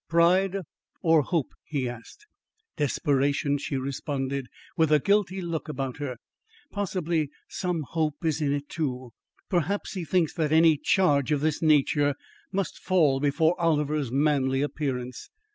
"Pride or hope?" he asked. "Desperation," she responded, with a guilty look about her. "Possibly, some hope is in it, too. Perhaps, he thinks that any charge of this nature must fall before Oliver's manly appearance.